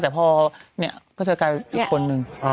แต่พอนี่ก็จะกลายเป็นคนหนึ่ง